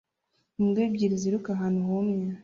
imbwa ebyiri ziruka ahantu humye